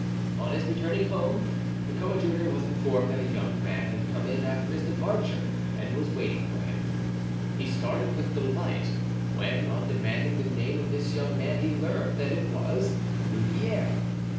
On his return home the coadjutor was informed that a young man had come in after his departure and was waiting for him; he started with delight when, on demanding the name of this young man, he learned that it was Louvieres.